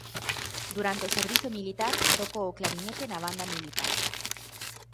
Durante o servizo militar tocou o clarinete na banda militar.